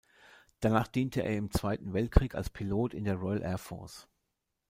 Danach diente er im Zweiten Weltkrieg als Pilot in der Royal Air Force.